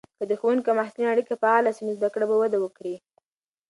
که د ښوونکو او محصلینو اړیکې فعاله سي، نو زده کړه به وده وکړي.